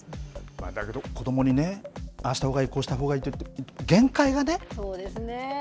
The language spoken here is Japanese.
だけど、子どもにね、ああしたほうがいい、こうしたほうがいいって、限界がね。